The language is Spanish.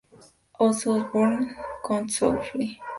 Ozzy Osbourne, Korn, Soulfly.